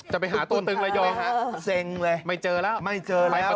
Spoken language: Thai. จะไปหาตัวตึงระยองค่ะไม่เจอแล้วไปประทุนทานีแทน